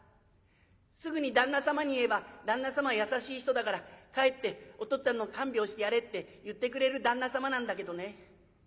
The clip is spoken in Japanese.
すぐに旦那様に言えば旦那様は優しい人だから帰ってお父っつぁんの看病してやれって言ってくれる旦那様なんだけどね